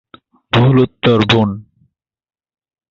ভুল উত্তর, বোন।